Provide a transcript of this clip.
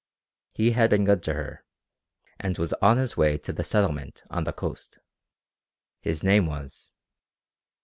He had been good to her, and was on his way to the settlement on the coast. His name was....